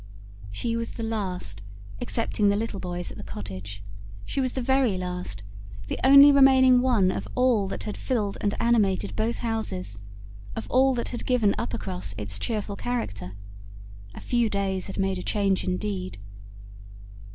She was the last, excepting the little boys at the cottage, she was the very last, the only remaining one of all that had filled and animated both houses, of all that had given Uppercross its cheerful character. A few days had made a change indeed!